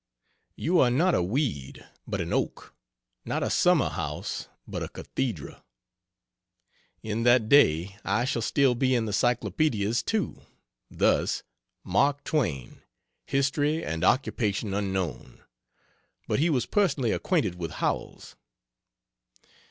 You're not a weed, but an oak; not a summer house, but a cathedral. In that day I shall still be in the Cyclopedias, too, thus: "Mark Twain; history and occupation unknown but he was personally acquainted with Howells."